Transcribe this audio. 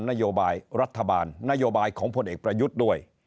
นโยบายรัฐบาลนโยบายของพลเอกประยุทธ์ด้วย